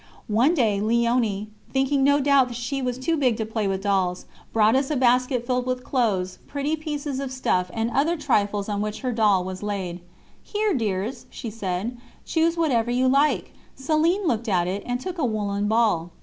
One day Léonie, thinking no doubt that she was too big to play with dolls, brought us a basket filled with clothes, pretty pieces of stuff, and other trifles on which her doll was laid: "Here, dears," she said, "choose whatever you like." Céline looked at it, and took a woollen ball.